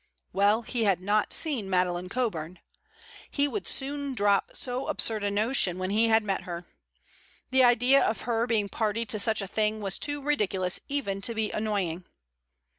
Well, he had not seen Madeleine Coburn! He would soon drop so absurd a notion when he had met her. The idea of her being party to such a thing was too ridiculous even to be annoying.